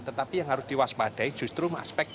tetapi yang harus diwaspadai justru aspek